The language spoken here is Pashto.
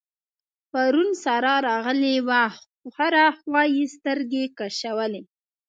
پرون سارا راغلې وه؛ هره خوا يې سترګې کشولې.